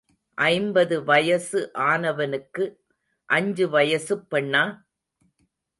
ஐம்பது வயசு ஆனவனுக்கு அஞ்சு வயசுப் பெண்ணா?